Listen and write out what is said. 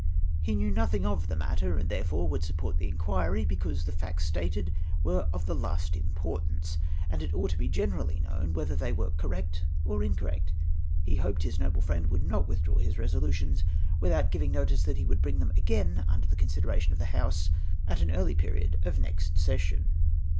He knew nothing of the matter, and therefore Avould support the inquiry, because the facts stated were of the last import ance, and it ought to be generally known whether they were correct or incorrect. He hoped his noble friend would not withdraw his resolutions without giving notice that he would bring them again under the consideration of the House at an early period of next session."